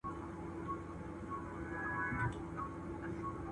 افغان اولسه ژوند دي پېغور دی `